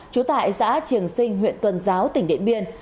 chú tại xã trường sinh huyện tuần giáo tỉnh điện biên